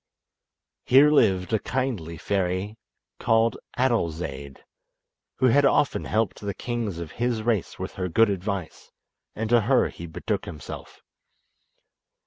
Here lived a kindly fairy called Adolzaide, who had often helped the kings of his race with her good advice, and to her he betook himself.